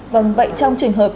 vâng vậy trong trường hợp